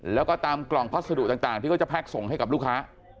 แล้วก็ตามกล่องพัสดุต่างที่เขาจะแพ็คส่งให้กับลูกค้า